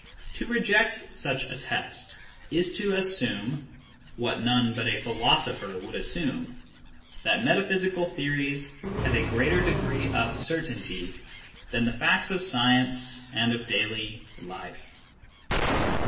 To reject such a test is to assume ŌĆö what none but a philosopher would assume ŌĆö that metaphysical theories have a greater degree of certainty than the facts of science and of daily life.